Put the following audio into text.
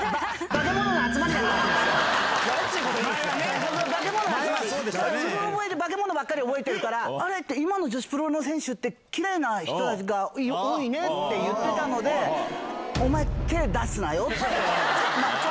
化け物の集まり、うろ覚えで化け物ばかり覚えてるから、あれ、今の女子プロの選手って、きれいな人たちが多いねって言ってたので、お前、手出すなよって。